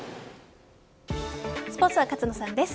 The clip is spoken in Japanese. スポーツは勝野さんです。